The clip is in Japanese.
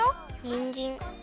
にんじん！